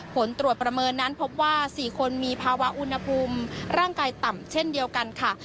ผลตรวจประเมินนั้นพบว่า๔คนมีภาวะอุณหภูมิร่างกายต่ำเช่นเดียวกันค่ะ